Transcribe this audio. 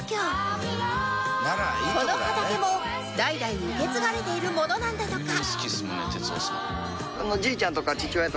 この畑も代々受け継がれているものなんだとか